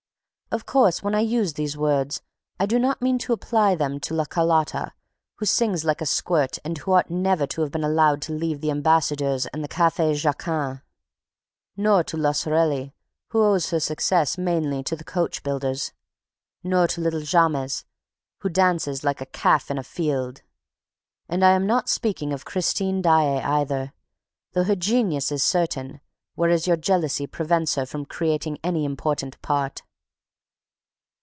Of course, when I use these words, I do not mean to apply them to La Carlotta, who sings like a squirt and who ought never to have been allowed to leave the Ambassadeurs and the Cafe Jacquin; nor to La Sorelli, who owes her success mainly to the coach builders; nor to little Jammes, who dances like a calf in a field. And I am not speaking of Christine Daae either, though her genius is certain, whereas your jealousy prevents her from creating any important part.